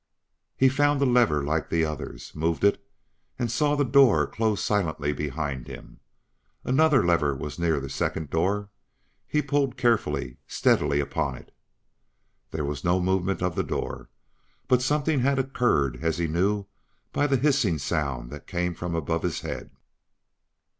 He found a lever like the others, moved it and saw the door close silently behind him. Another lever was near the second door; he pulled carefully, steadily, upon it. There was no movement of the door, but something had occurred as he knew by the hissing sound that came from above his head.